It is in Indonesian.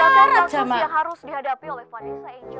ada kasus yang harus dihadapi oleh vanessa angel